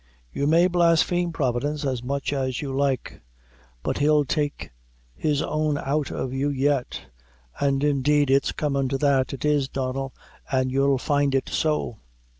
You may blaspheme Providence as much as you like; but he'll take his own out o' you yet; an' indeed, it's comin' to that it is, Donnel, an' you'll find it so."